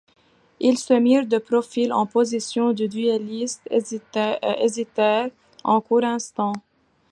Ils se mirent de profil, en position de duellistes, hésitèrent un court instant.